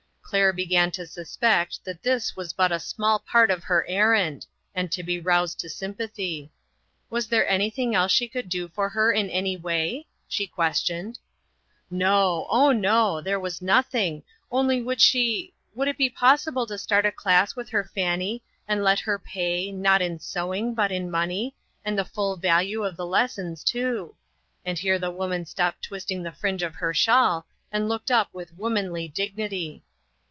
Claire began to suspect that this was but a small part of her errand, and to be roused to sympathy. Was there any thing else she could do for her in any way, she questioned. No ! oh, no ! there was nothing, only would she would it not be possible to start a class with her Fanny, and let her pay, not in sewing, but in money, and the full value of the lessons, too ; and here the woman stopped twisting the fringe of her shawl, and looked up with womanly dignity.